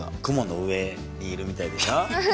雲の上にいるみたいでしょ。